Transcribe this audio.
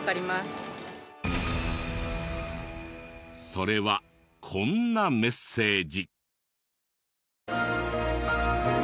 それはこんなメッセージ。